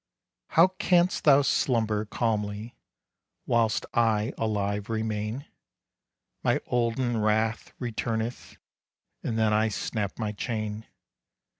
How can'st thou slumber calmly, Whilst I alive remain? My olden wrath returneth, And then I snap my chain.